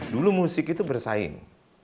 dulu musik itu bersaing